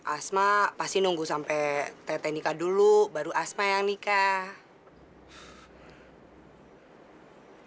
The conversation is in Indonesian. asma pasti nunggu sampai tete nikah dulu baru asma yang nikah